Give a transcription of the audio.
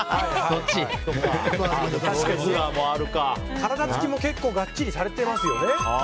体つきも結構がっちりされてますよね。